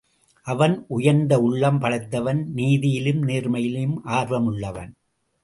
அவன் உயர்ந்த உள்ளம் படைத்தவன் நீதியிலும் நேர்மையிலும் ஆர்வமுள்ளவன்.